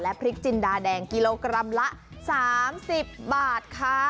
พริกจินดาแดงกิโลกรัมละ๓๐บาทค่ะ